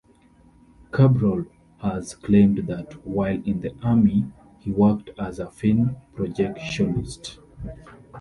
Chabrol has claimed that while in the army he worked as a film projectionist.